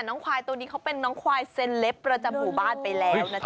ควายตัวนี้เขาเป็นน้องควายเซลปประจำหมู่บ้านไปแล้วนะจ